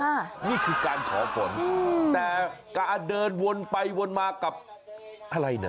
นี่คือการขอฝนแต่การเดินวนไปวนมากับอะไรน่ะ